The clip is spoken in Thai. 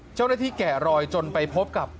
เจ้าหน้าที่แกะรอยจนไปพบกับ